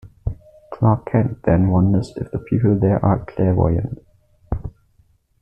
Clark Kent then wonders if the people there are clairvoyant.